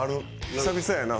久々やな。